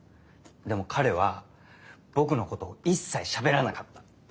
でも彼は僕のことを一切しゃべらなかった。